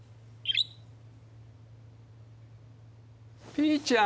ピーちゃん！